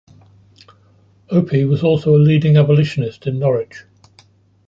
Opie was also a leading abolitionist in Norwich.